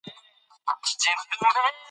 ماشومان اجازه لري خبرې وکړي.